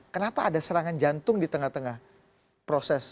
kenapa ada serangan jantung di tengah tengah proses